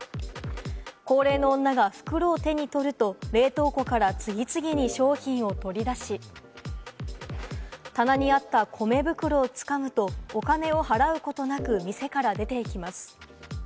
高齢の女が袋を手に取ると、冷凍庫から次々に商品を取り出し、棚にあった米袋をつかむと、お金を払うことなく店から出ていきます。